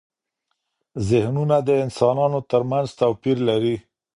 زهنونه د انسانانو ترمنځ توپیر لري.